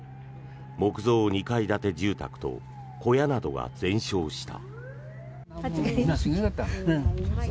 木造２階建て住宅と小屋などが全焼した。